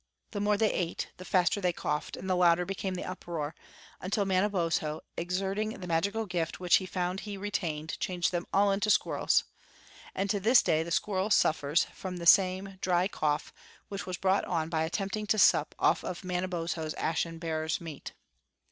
The more they ate the faster they coughed and the louder became the uproar, until Mana bozho, exerting the magical gift which he found he retained, changed them all into squirrels; and to this day the squirrel sutlers from the same dry cough which was brought on by attempting to sup off of Manabozho's ashen bear's meat.